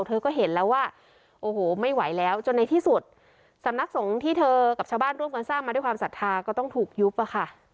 เธอก็เห็นแล้วว่าโอ้โหไม่ไหวแล้วจนในที่สุดสำนักสงฆ์ที่เธอกับชาวบ้านร่วมกันสร้างมาด้วยความศรัทธาก็ต้องถูกยุบอะค่ะ